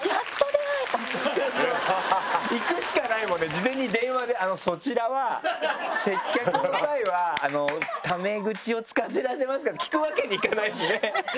事前に電話で「そちらは接客の態度はタメ口を使ってらっしゃいますか」って聞くわけにいかないしね。